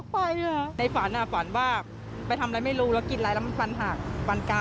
พ่อในห้องน้ำพาแม่คงพาอย่างนี้